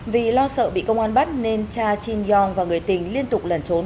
vì lo sợ bị công an bắt nên cha chin yong và người tình liên tục lẩn trốn